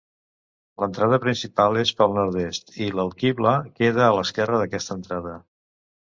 L'entrada principal és pel nord-est i l'alquibla queda a l'esquerra d'aquesta entrada.